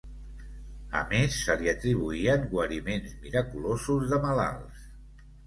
A més, se li atribuïen guariments miraculosos de malalts.